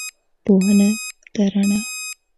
پوهنه ده رڼا